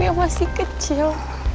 yang masih kecil